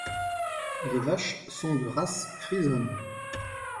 Les vaches sont de race frisonne.